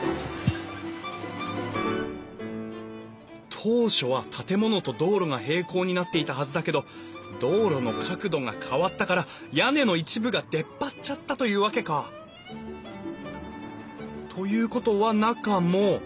当初は建物と道路が平行になっていたはずだけど道路の角度が変わったから屋根の一部が出っ張っちゃったというわけか。ということは中も。